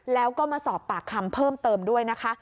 แล้วก็มาสอบปากคำเพิ่มเติมด้วยนะคะ